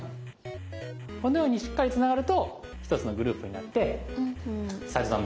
このようにしっかりつながると一つのグループになって齋藤さん